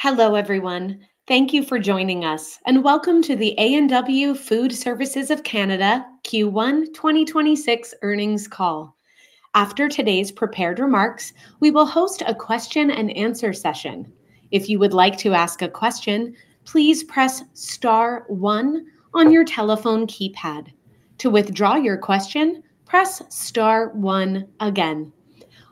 Hello, everyone. Thank you for joining us, and welcome to the A&W Food Services of Canada Q1 2026 earnings call. After today's prepared remarks, we will host a question and answer session. If you would like to ask a question, please press star one on your telephone keypad. To withdraw your question, press star one again.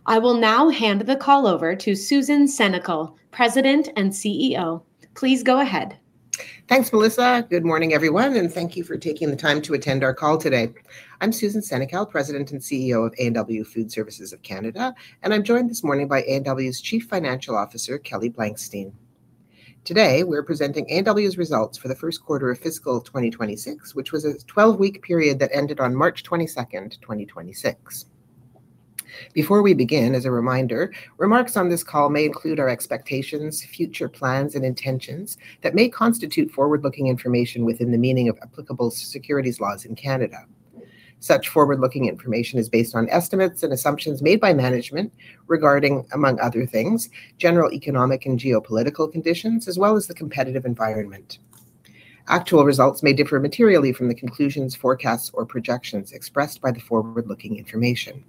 I will now hand the call over to Susan Senecal, President and CEO. Please go ahead. Thanks, Melissa. Good morning, everyone, and thank you for taking the time to attend our call today. I'm Susan Senecal, President and CEO of A&W Food Services of Canada, and I'm joined this morning by A&W's Chief Financial Officer, Kelly Blankstein. Today, we're presenting A&W's results for the first quarter of fiscal 2026, which was a 12-week period that ended on March 22nd, 2026. Before we begin, as a reminder, remarks on this call may include our expectations, future plans, and intentions that may constitute forward-looking information within the meaning of applicable securities laws in Canada. Such forward-looking information is based on estimates and assumptions made by management regarding, among other things, general economic and geopolitical conditions, as well as the competitive environment. Actual results may differ materially from the conclusions, forecasts, or projections expressed by the forward-looking information.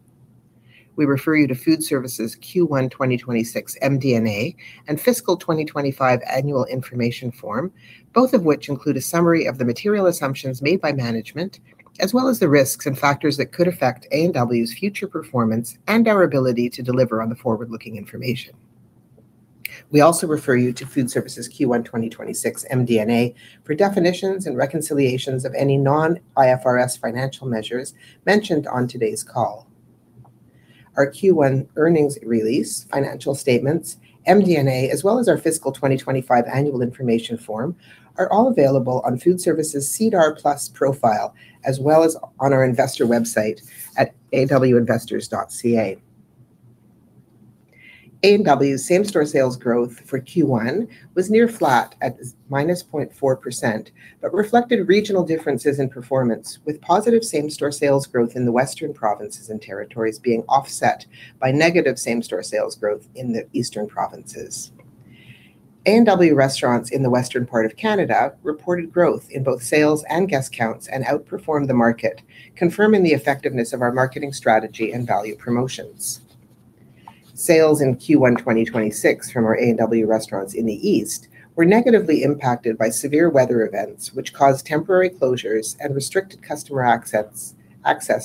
We refer you to Food Services Q1 2026 MD&A and Fiscal 2025 Annual Information Form, both of which include a summary of the material assumptions made by management, as well as the risks and factors that could affect A&W's future performance and our ability to deliver on the forward-looking information. We also refer you to Food Services Q1 2026 MD&A for definitions and reconciliations of any non-IFRS financial measures mentioned on today's call. Our Q1 earnings release, financial statements, MD&A, as well as our Fiscal 2025 Annual Information Form are all available on Food Services' SEDAR+ profile, as well as on our investor website at awinvestors.ca. A&W same-store sales growth for Q1 was near flat at -0.4%, but reflected regional differences in performance, with positive same-store sales growth in the Western provinces and territories being offset by negative same-store sales growth in the Eastern provinces. A&W restaurants in the western part of Canada reported growth in both sales and guest counts and outperformed the market, confirming the effectiveness of our marketing strategy and value promotions. Sales in Q1 2026 from our A&W restaurants in the East were negatively impacted by severe weather events, which caused temporary closures and restricted customer access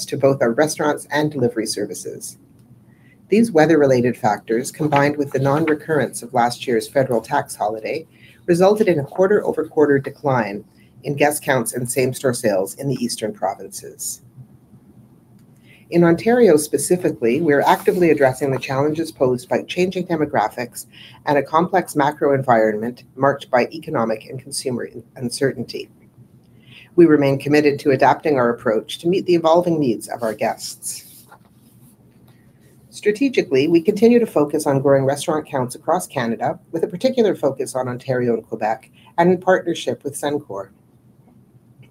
to both our restaurants and delivery services. These weather-related factors, combined with the non-recurrence of last year's federal tax holiday, resulted in a quarter-over-quarter decline in guest counts and same-store sales in the Eastern provinces. In Ontario specifically, we are actively addressing the challenges posed by changing demographics and a complex macro environment marked by economic and consumer uncertainty. We remain committed to adapting our approach to meet the evolving needs of our guests. Strategically, we continue to focus on growing restaurant counts across Canada, with a particular focus on Ontario and Quebec, and in partnership with Suncor.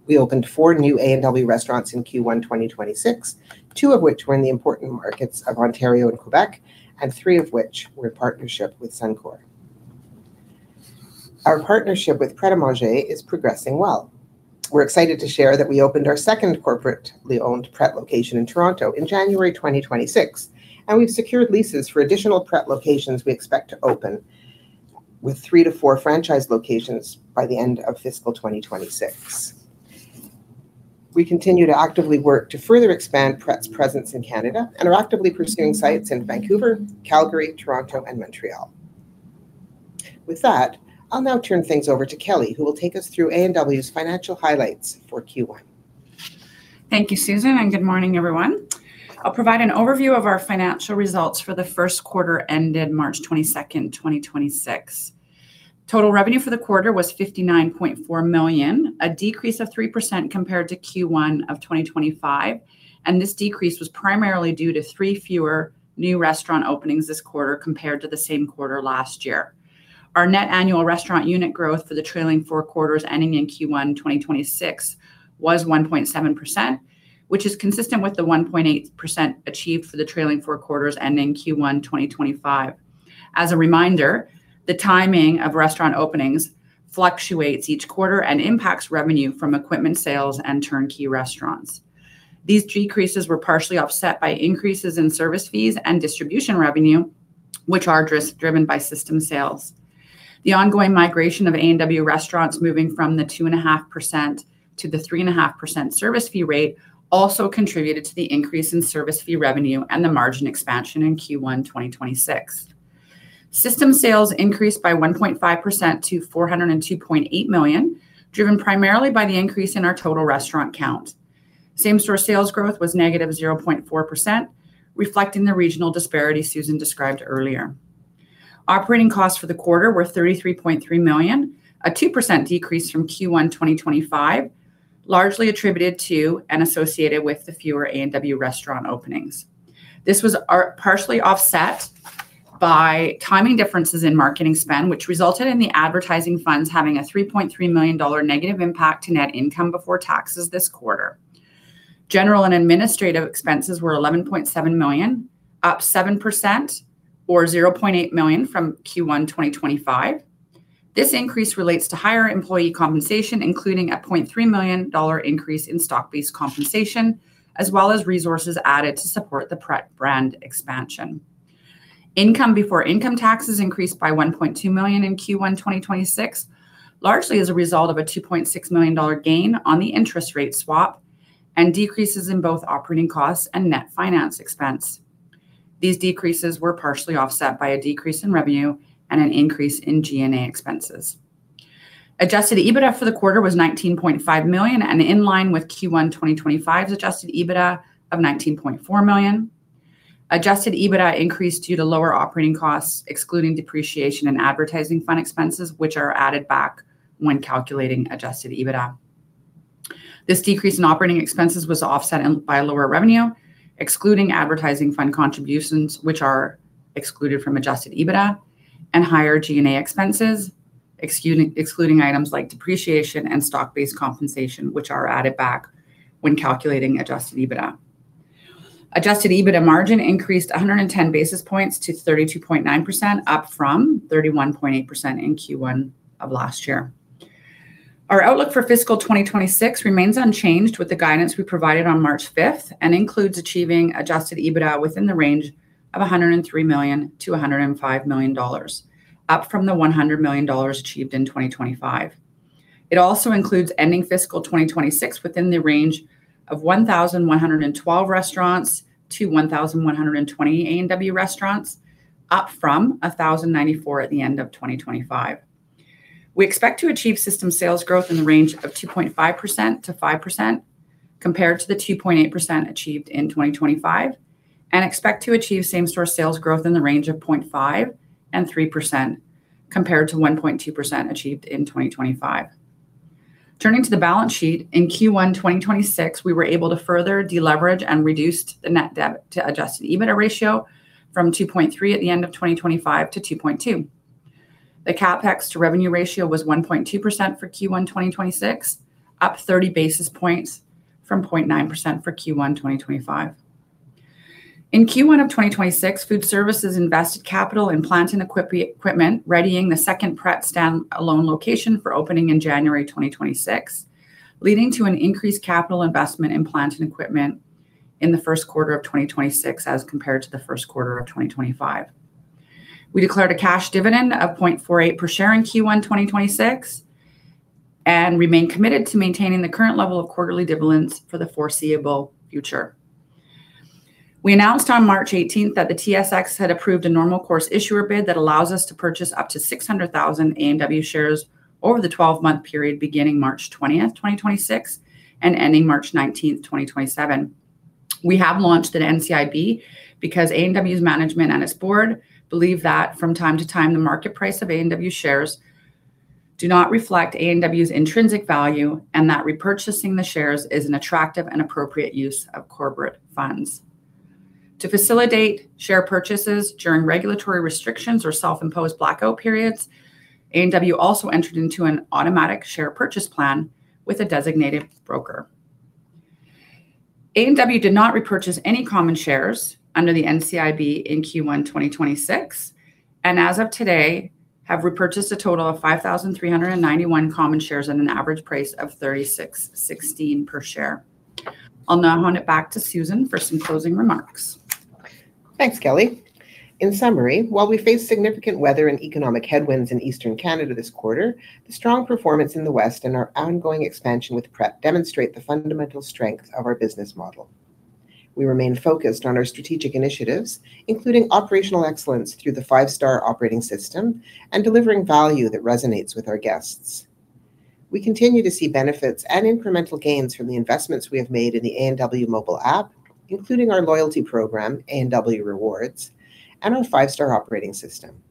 We opened four new A&W restaurants in Q1 2026, two of which were in the important markets of Ontario and Quebec, and three of which were in partnership with Suncor. Our partnership with Pret A Manger is progressing well. We're excited to share that we opened our second corporately-owned Pret location in Toronto in January 2026, and we've secured leases for additional Pret locations we expect to open, with three to four franchise locations by the end of fiscal 2026. We continue to actively work to further expand Pret's presence in Canada, and are actively pursuing sites in Vancouver, Calgary, Toronto, and Montreal. With that, I'll now turn things over to Kelly, who will take us through A&W's financial highlights for Q1. Thank you, Susan. Good morning, everyone. I'll provide an overview of our financial results for the first quarter ended March 22nd, 2026. Total revenue for the quarter was 59.4 million, a decrease of 3% compared to Q1 of 2025. This decrease was primarily due to three fewer new restaurant openings this quarter compared to the same quarter last year. Our net annual restaurant unit growth for the trailing four quarters ending in Q1 2026 was 1.7%, which is consistent with the 1.8% achieved for the trailing four quarters ending Q1 2025. As a reminder, the timing of restaurant openings fluctuates each quarter and impacts revenue from equipment sales and turnkey restaurants. These decreases were partially offset by increases in service fees and distribution revenue, which are driven by system sales. The ongoing migration of A&W restaurants moving from the 2.5%-3.5% service fee rate also contributed to the increase in service fee revenue and the margin expansion in Q1 2026. System sales increased by 1.5% to 402.8 million, driven primarily by the increase in our total restaurant count. Same-store sales growth was -0.4%, reflecting the regional disparity Susan described earlier. Operating costs for the quarter were 33.3 million, a 2% decrease from Q1 2025, largely attributed to and associated with the fewer A&W restaurant openings. This was partially offset by timing differences in marketing spend, which resulted in the advertising funds having a 3.3 million dollar negative impact to net income before taxes this quarter. General and administrative expenses were 11.7 million, up 7% or 0.8 million from Q1 2025. This increase relates to higher employee compensation, including a 0.3 million dollar increase in stock-based compensation, as well as resources added to support the Pret brand expansion. Income before income taxes increased by 1.2 million in Q1 2026, largely as a result of a 2.6 million dollar gain on the interest rate swap and decreases in both operating costs and net finance expense. These decreases were partially offset by a decrease in revenue and an increase in G&A expenses. Adjusted EBITDA for the quarter was 19.5 million and in line with Q1 2025's adjusted EBITDA of 19.4 million. Adjusted EBITDA increased due to lower operating costs, excluding depreciation and advertising fund expenses, which are added back when calculating adjusted EBITDA. This decrease in operating expenses was offset by lower revenue, excluding advertising fund contributions, which are excluded from adjusted EBITDA, and higher G&A expenses, excluding items like depreciation and stock-based compensation, which are added back when calculating adjusted EBITDA. Adjusted EBITDA margin increased 110 basis points to 32.9%, up from 31.8% in Q1 of last year. Our outlook for fiscal 2026 remains unchanged with the guidance we provided on March 5th, and includes achieving adjusted EBITDA within the range of 103 million-105 million dollars, up from the 100 million dollars achieved in 2025. It also includes ending fiscal 2026 within the range of 1,112 A&W restaurants-1,120 A&W restaurants, up from 1,094 at the end of 2025. We expect to achieve system sales growth in the range of 2.5%-5%, compared to the 2.8% achieved in 2025, and expect to achieve same-store sales growth in the range of 0.5%-3%, compared to 1.2% achieved in 2025. Turning to the balance sheet, in Q1 2026, we were able to further deleverage and reduced the net debt to adjusted EBITDA ratio from 2.3 at the end of 2025 to 2.2. The CapEx to revenue ratio was 1.2% for Q1 2026, up 30 basis points from 0.9% for Q1 2025. In Q1 2026, Food Services invested capital in plant and equipment, readying the second Pret standalone location for opening in January 2026, leading to an increased capital investment in plant and equipment in the first quarter of 2026 as compared to the first quarter of 2025. We declared a cash dividend of 0.48 per share in Q1 2026 and remain committed to maintaining the current level of quarterly dividends for the foreseeable future. We announced on March 18th that the TSX had approved a normal course issuer bid that allows us to purchase up to 600,000 A&W shares over the 12-month period beginning March 20th, 2026 and ending March 19th, 2027. We have launched an NCIB because A&W's management and its board believe that from time to time, the market price of A&W shares do not reflect A&W's intrinsic value and that repurchasing the shares is an attractive and appropriate use of corporate funds. To facilitate share purchases during regulatory restrictions or self-imposed blackout periods, A&W also entered into an automatic share purchase plan with a designated broker. A&W did not repurchase any common shares under the NCIB in Q1 2026, and as of today, have repurchased a total of 5,391 common shares at an average price of 36.16 per share. I'll now hand it back to Susan for some closing remarks. Thanks, Kelly. In summary, while we face significant weather and economic headwinds in Eastern Canada this quarter, the strong performance in the West and our ongoing expansion with Pret demonstrate the fundamental strength of our business model. We remain focused on our strategic initiatives, including operational excellence through the five-star operating system and delivering value that resonates with our guests. We continue to see benefits and incremental gains from the investments we have made in the A&W mobile app, including our loyalty program, A&W Rewards, and our five-star operating system.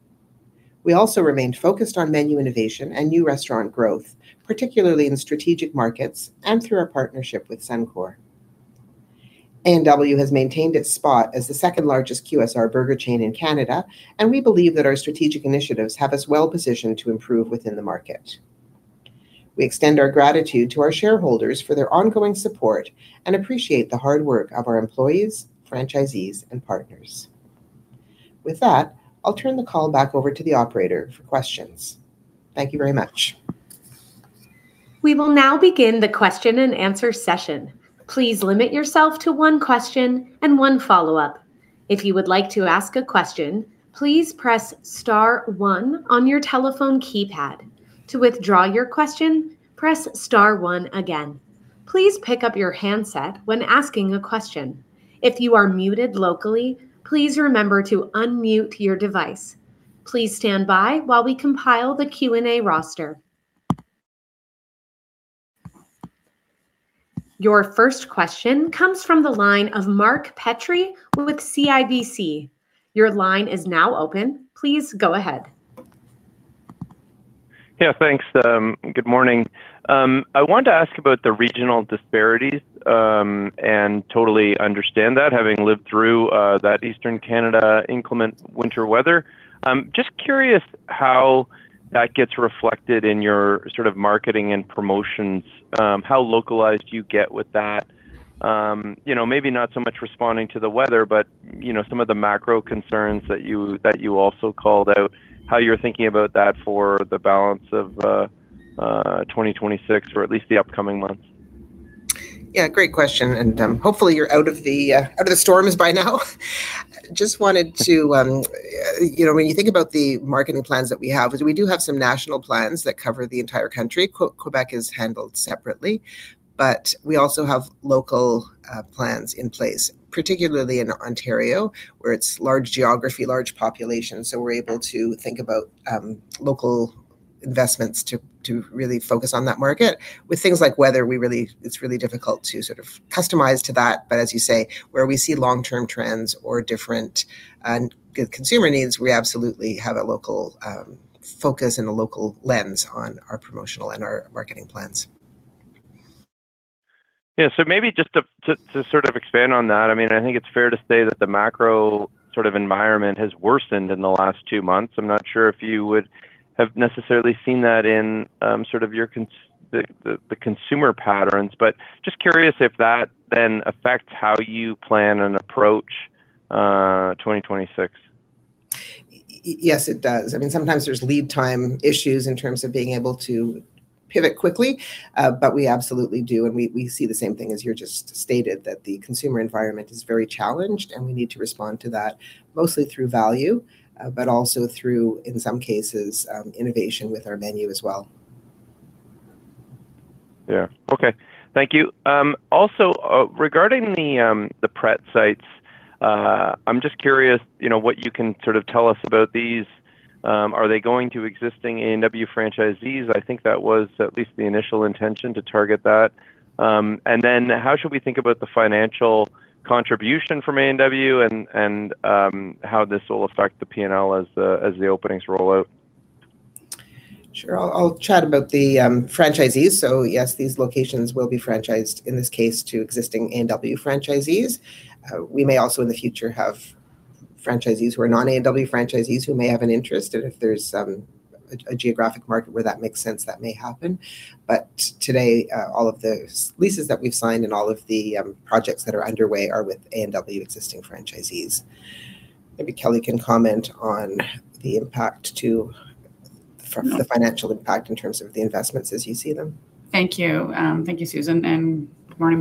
We also remain focused on menu innovation and new restaurant growth, particularly in strategic markets and through our partnership with Suncor. A&W has maintained its spot as the second-largest QSR burger chain in Canada, and we believe that our strategic initiatives have us well-positioned to improve within the market. We extend our gratitude to our shareholders for their ongoing support and appreciate the hard work of our employees, franchisees, and partners. With that, I'll turn the call back over to the operator for questions. Thank you very much. We will now begin the question and answer session. Please limit yourself to one question and one follow-up. If you would like to ask a question, please press star one on your telephone keypad. To withdraw your question, press star one again. Please pick up your handset when asking a question. If you are muted locally, please remember to unmute your device. Please stand by while we compile the Q&A roster. Your first question comes from the line of Mark Petrie with CIBC. Your line is now open. Please go ahead. Thanks. Good morning. I wanted to ask about the regional disparities, and totally understand that having lived through that Eastern Canada inclement winter weather. Just curious how that gets reflected in your sort of marketing and promotions, how localized you get with that, you know, maybe not so much responding to the weather, but, you know, some of the macro concerns that you, that you also called out, how you're thinking about that for the balance of 2026 or at least the upcoming months? Yeah, great question, and hopefully you're out of the out of the storms by now. Just wanted to, you know, when you think about the marketing plans that we have, is we do have some national plans that cover the entire country. Quebec is handled separately. We also have local plans in place, particularly in Ontario, where it's large geography, large population, so we're able to think about local investments to really focus on that market. With things like weather, it's really difficult to sort of customize to that, but as you say, where we see long-term trends or different consumer needs, we absolutely have a local focus and a local lens on our promotional and our marketing plans. Maybe just to sort of expand on that, I mean, I think it's fair to say that the macro sort of environment has worsened in the last two months. I'm not sure if you would have necessarily seen that in sort of your consumer patterns, just curious if that then affects how you plan and approach 2026. Yes, it does. I mean, sometimes there's lead time issues in terms of being able to pivot quickly, but we absolutely do, and we see the same thing as you just stated, that the consumer environment is very challenged, and we need to respond to that, mostly through value, but also through, in some cases, innovation with our menu as well. Yeah. Okay. Thank you. Regarding the Pret sites, I'm just curious, you know, what you can sort of tell us about these. Are they going to existing A&W franchisees? I think that was at least the initial intention to target that. How should we think about the financial contribution from A&W and how this will affect the P&L as the openings roll out? Sure. I'll chat about the franchisees. Yes, these locations will be franchised, in this case, to existing A&W franchisees. We may also in the future have franchisees who are non-A&W franchisees who may have an interest, and if there's a geographic market where that makes sense, that may happen. Today, all of those leases that we've signed and all of the projects that are underway are with A&W existing franchisees. Maybe Kelly can comment on the impact to the financial impact in terms of the investments as you see them. Thank you. Thank you, Susan, and good morning,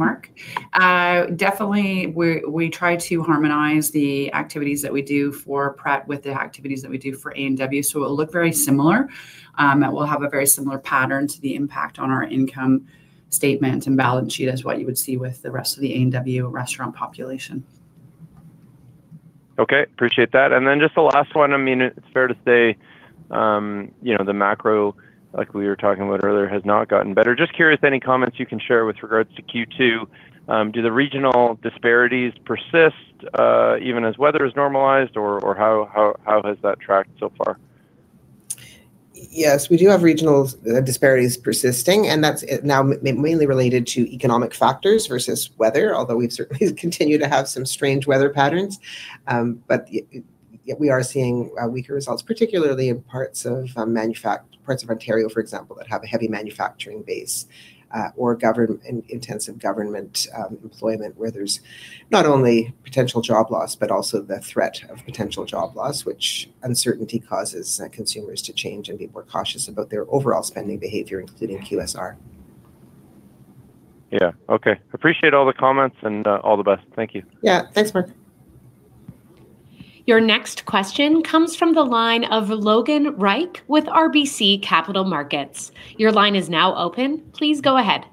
Mark. Definitely we try to harmonize the activities that we do for Pret with the activities that we do for A&W, so it will look very similar. It will have a very similar pattern to the impact on our income statement and balance sheet as what you would see with the rest of the A&W restaurant population. Okay. Appreciate that. Just the last one, I mean, it's fair to say, you know, the macro, like we were talking about earlier, has not gotten better. Just curious if any comments you can share with regards to Q2. Do the regional disparities persist, even as weather is normalized, or how has that tracked so far? Yes, we do have regional disparities persisting, and that's now mainly related to economic factors versus weather, although we've certainly continued to have some strange weather patterns. Yeah, we are seeing weaker results, particularly in parts of Ontario, for example, that have a heavy manufacturing base or intensive government employment, where there's not only potential job loss but also the threat of potential job loss, which uncertainty causes consumers to change and be more cautious about their overall spending behavior, including QSR. Yeah. Okay. Appreciate all the comments, and all the best. Thank you. Yeah. Thanks, Mark. Your next question comes from the line of Logan Reich with RBC Capital Markets. Your line is now open. Please go ahead.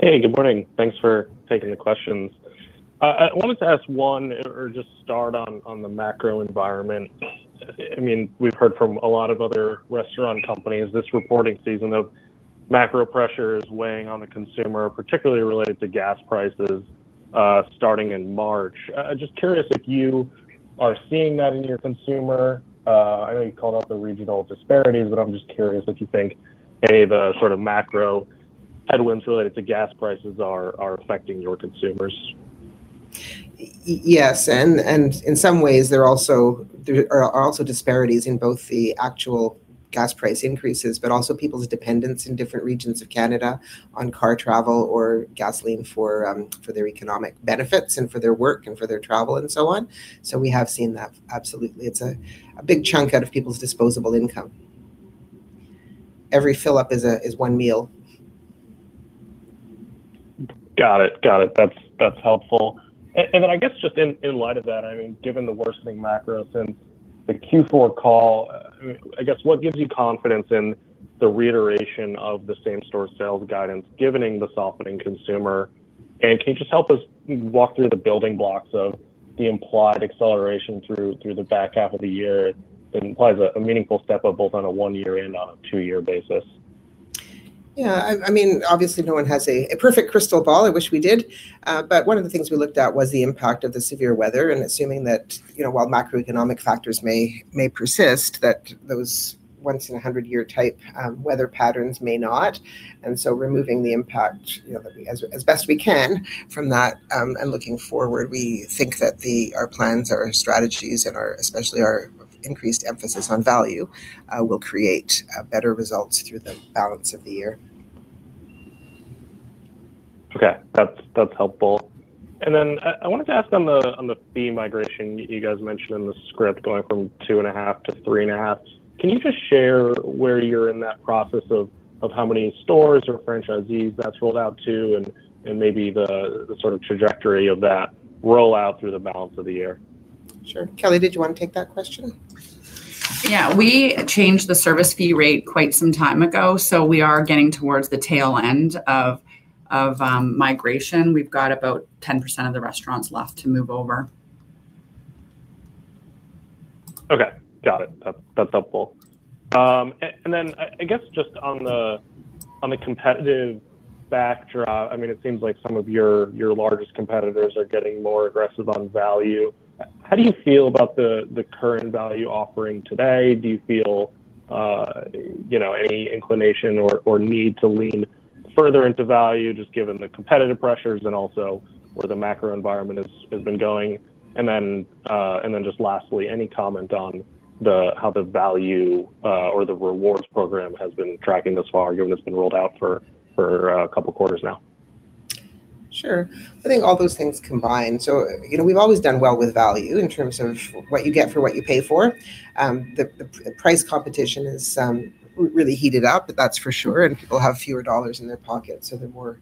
Hey, good morning. Thanks for taking the questions. I wanted to ask one, or just start on the macro environment. I mean, we've heard from a lot of other restaurant companies this reporting season of macro pressures weighing on the consumer, particularly related to gas prices, starting in March. Just curious if you are seeing that in your consumer. I know you called out the regional disparities, but I'm just curious if you think any of the sort of macro headwinds related to gas prices are affecting your consumers? Yes, and in some ways, there are also disparities in both the actual gas price increases, but also people's dependence in different regions of Canada on car travel or gasoline for their economic benefits and for their work and for their travel and so on. We have seen that, absolutely. It's a big chunk out of people's disposable income. Every fill-up is one meal. Got it. That's helpful. I guess just in light of that, I mean, given the worsening macro since the Q4 call, I guess what gives you confidence in the reiteration of the same-store sales guidance given in the softening consumer? Can you just help us walk through the building blocks of the implied acceleration through the back half of the year that implies a meaningful step up both on a one-year and on a two-year basis? I mean, obviously no one has a perfect crystal ball. I wish we did. One of the things we looked at was the impact of the severe weather, and assuming that, you know, while macroeconomic factors may persist, that those once-in-a-100-year type weather patterns may not. Removing the impact, you know, as best we can from that, and looking forward, we think that our plans, our strategies, and our, especially our increased emphasis on value, will create better results through the balance of the year. Okay. That's, that's helpful. I wanted to ask on the fee migration, you guys mentioned in the script going from 2.5%-3.5%. Can you just share where you're in that process of how many stores or franchisees that's rolled out to, and maybe the sort of trajectory of that rollout through the balance of the year? Sure. Kelly, did you wanna take that question? Yeah. We changed the service fee rate quite some time ago. We are getting towards the tail end of migration. We've got about 10% of the restaurants left to move over. Okay. Got it. That's helpful. I guess just on the competitive backdrop, I mean, it seems like some of your largest competitors are getting more aggressive on value. How do you feel about the current value offering today? Do you feel, you know, any inclination or need to lean further into value, just given the competitive pressures and also where the macro environment has been going? Just lastly, any comment on how the value or the rewards program has been tracking thus far, given it's been rolled out for a couple quarters now? Sure. I think all those things combined, you know, we've always done well with value in terms of what you get for what you pay for. The price competition is really heated up, that's for sure, people have fewer dollars in their pockets, they're more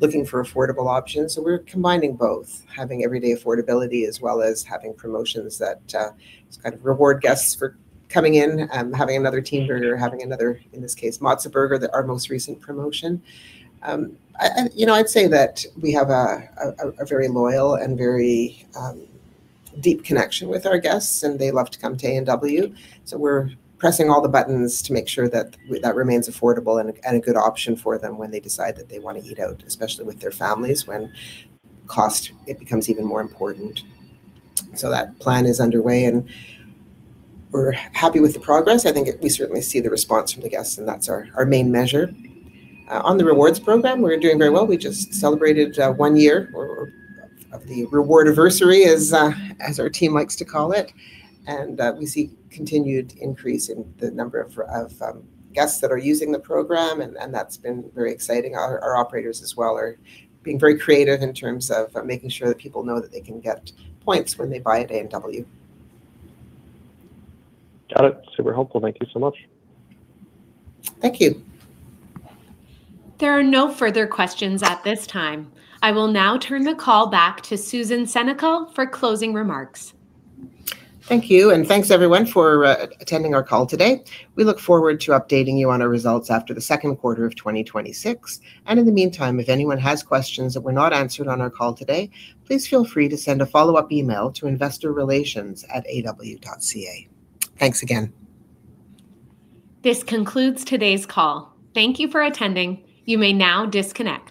looking for affordable options. We're combining both, having everyday affordability as well as having promotions that kind of reward guests for coming in, having another team member, having another, in this case, Mozza Burger, our most recent promotion. I, you know, I'd say that we have a very loyal and very deep connection with our guests, and they love to come to A&W, so we're pressing all the buttons to make sure that that remains affordable and a good option for them when they decide that they wanna eat out, especially with their families, when cost, it becomes even more important. That plan is underway, and we're happy with the progress. We certainly see the response from the guests, and that's our main measure. On the rewards program, we're doing very well. We just celebrated one year or of the rewardiversary as our team likes to call it. We see continued increase in the number of guests that are using the program and that's been very exciting. Our operators as well are being very creative in terms of making sure that people know that they can get points when they buy at A&W. Got it. Super helpful. Thank you so much. Thank you. There are no further questions at this time. I will now turn the call back to Susan Senecal for closing remarks. Thank you, and thanks everyone for attending our call today. We look forward to updating you on our results after the second quarter of 2026, and in the meantime, if anyone has questions that were not answered on our call today, please feel free to send a follow-up email to investorrelations@aw.ca. Thanks again. This concludes today's call. Thank you for attending. You may now disconnect.